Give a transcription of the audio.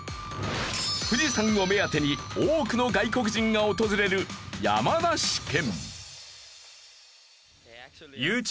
富士山を目当てに多くの外国人が訪れる山梨県。